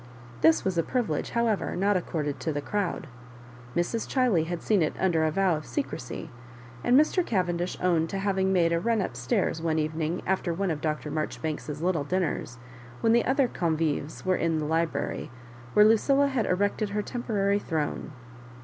This was a privilege how ever, not accorded to the crowd. Mrs. Chiley had seen it under a vow of secrecy, and Mr. Ca vendish owned to having made a run up stairs one evening after one of Dr. Marjoribanks's little dinners, when the other convives were in the library, where Lucilla had erected her temporary throne.